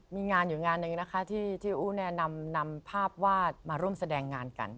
มีงานอยู่งานหนึ่งนะคะที่อู๋นำภาพวาดมาร่วมแสดงงานกัน